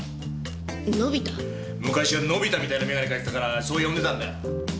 昔はのび太みたいなメガネかけてたからそう呼んでたんだよ。